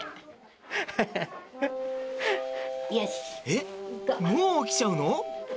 えっもう起きちゃうの？